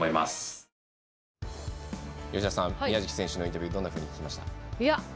宮食選手のインタビュー吉田さんはどんなふうに聞きました？